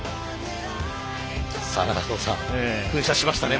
さあ長藤さん噴射しましたね